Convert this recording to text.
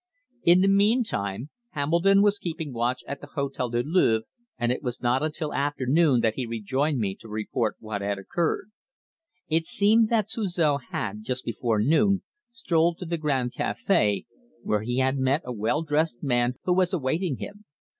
In the meantime Hambledon was keeping watch at the Hôtel du Louvre, and it was not until afternoon that he rejoined me to report what had occurred. It seemed that Suzor had, just before noon, strolled to the Grand Café, where he had met a well dressed man who was awaiting him.